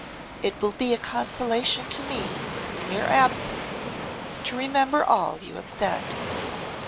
It will be a consolation to me in your absence to remember all you have said.